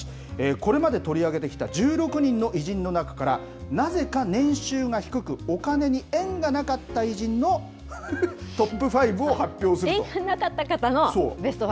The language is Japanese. これまで取り上げてきた１６人の偉人の中から、なぜか年収が低く、お金に縁がなかった偉人のトップ縁がなかった方のベスト５。